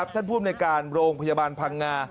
ท่านผู้บุญในการโรงพยาบาลพังงา